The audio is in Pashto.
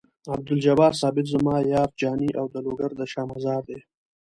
عبدالجبار ثابت زما یار جاني او د لوګر د شاه مزار دی.